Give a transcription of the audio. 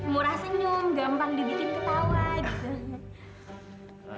murah senyum gampang dibikin ketawa gitu